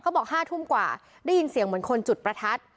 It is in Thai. บอก๕ทุ่มกว่าได้ยินเสียงเหมือนคนจุดประทัด